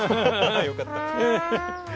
よかった。